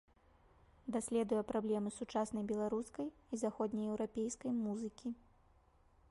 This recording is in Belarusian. Даследуе праблемы сучаснай беларускай і заходне-еўрапейскай музыкі.